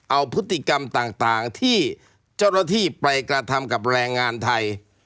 เอาพฤติกรรมต่างที่เจ้าหน้าที่ไปกระทำกับแรงงานไทย